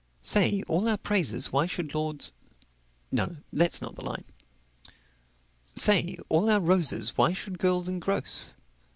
"Say, all our praises why should lords " No, that's not the line. "Say, all our roses why should girls engross?"